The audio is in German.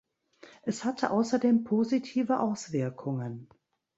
Es hatte außerdem positive Auswirkungen.